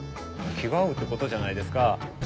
気が合うってことじゃないですか。